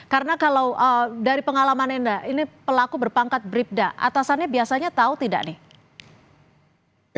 karena kalau dari pengalaman anda ini pelaku berpangkat bribda atasannya biasanya tahu tidak nih